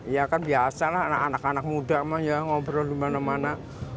ya kan biasa lah anak anak muda emang ya ngobrol dimana mana